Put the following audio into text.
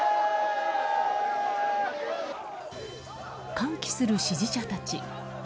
歓喜する支持者たち。